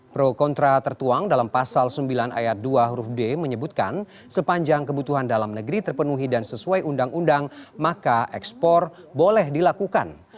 pro kontra tertuang dalam pasal sembilan ayat dua huruf d menyebutkan sepanjang kebutuhan dalam negeri terpenuhi dan sesuai undang undang maka ekspor boleh dilakukan